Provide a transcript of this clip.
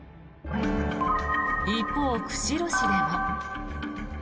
一方、釧路市でも。